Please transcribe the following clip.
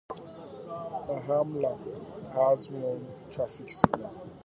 Nehalem has one traffic signal.